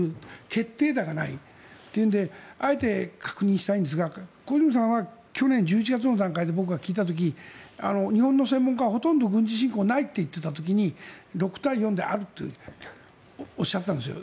決定打がないというのであえて確認したいんですが小泉さんは去年１１月の段階で僕が聞いた時日本の専門家はほとんど軍事侵攻がないと言っていた時に６対４であるとおっしゃったんですよ。